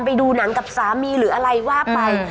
ไปดูหนังกับสามีหรืออะไรว่าไป